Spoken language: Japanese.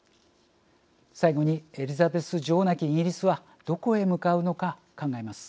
最後に、エリザベス女王なきイギリスはどこへ向かうのか考えます。